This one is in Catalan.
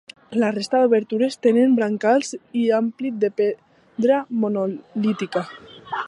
La resta d’obertures tenen brancals i ampit de pedra monolítica.